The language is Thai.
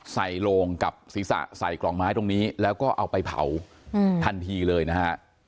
โลงกับศีรษะใส่กล่องไม้ตรงนี้แล้วก็เอาไปเผาทันทีเลยนะฮะ